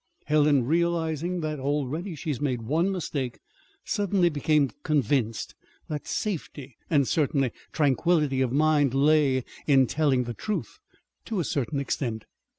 Helen, realizing that already she had made one mistake, suddenly became convinced that safety and certainly tranquillity of mind lay in telling the truth to a certain extent.